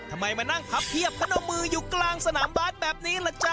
ทำไมมานั่งพับเพียบพนมมืออยู่กลางสนามบาสแบบนี้ล่ะจ๊ะ